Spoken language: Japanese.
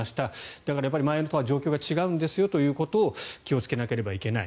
だから前とは状況が違うんですよということを気をつけなければいけない。